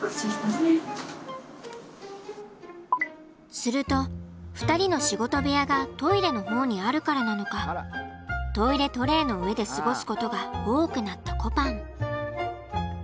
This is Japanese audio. すると２人の仕事部屋がトイレの方にあるからなのかトイレトレーの上で過ごすことが多くなったこぱん。